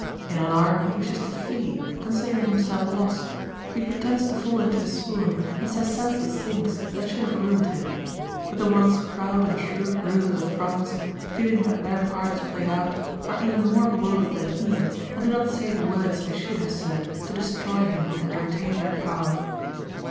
In alarm he wishes to flee, considering himself lost. He pretends to fall into a swoon and says senseless things that should have ruined him. But the once proud and shrewd rulers of France, feeling that their part is played out, are even more bewildered than he, and do not say the words they should have said to destroy him and retain their power.